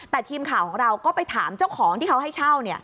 แต่ทีมข่าวของเราก็ไปถามเจ้าของที่เขาให้เช่า